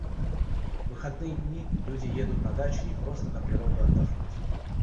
В выходные дни, люди едут на дачи и просто на природу отдохнуть.